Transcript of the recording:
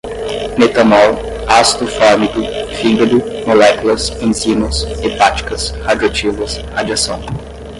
metanol, ácido fórmigo, fígado, moléculas, enzimas, hepáticas, radioativas, radiação